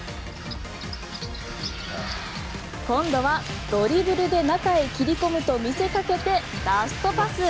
今度はドリブルで中へ切り込むと見せかけてラストパス。